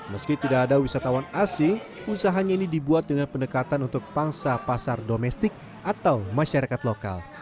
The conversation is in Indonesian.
meski tidak ada wisatawan asing usahanya ini dibuat dengan pendekatan untuk pangsa pasar domestik atau masyarakat lokal